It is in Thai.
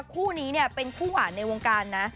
คู่นี้เนี่ยเป็นคู่หวานในวงการนะ